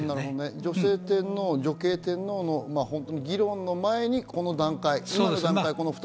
女性天皇、女系天皇の議論の前にこの段階。